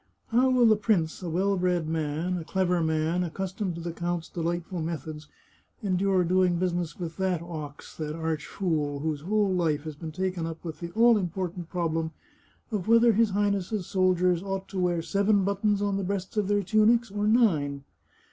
How will the prince, a well bred man, a clever man, accustomed to the count's delightful methods, endure doing business with that ox, that arch fool, whose whole life has been taken up with the all important problem of whether his Highness's soldiers ought to wear seven but tons on the breasts of their tunics, or nine